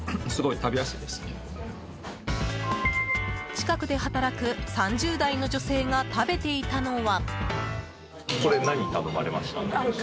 近くで働く３０代の女性が食べていたのは。